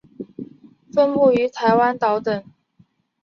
分布于台湾岛等。